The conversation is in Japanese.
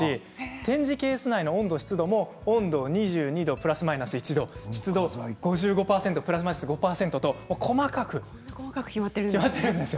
展示ケース内の温度湿度も温度２２度プラスマイナス１度湿度は５５％プラスマイナス５％と細かく決まっているんです。